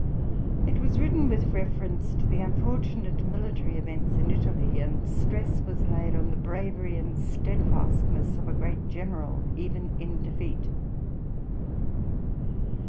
It was written with reference to the unfortunate military events in Italy, and stress was laid on the bravery and steadfastness of a great general, even in defeat.